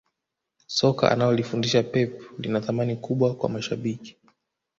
soka analolifundisha pep lina thamani kubwa kwa mashabiki